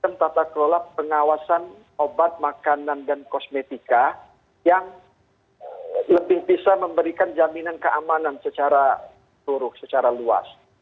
tentang tata kelola pengawasan obat makanan dan kosmetika yang lebih bisa memberikan jaminan keamanan secara seluruh secara luas